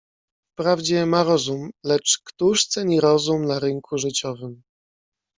"Wprawdzie ma rozum, lecz któż ceni rozum na rynku życiowym!"